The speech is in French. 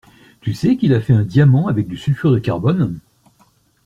Tu sais qu'il a fait un diamant avec du sulfure de carbone?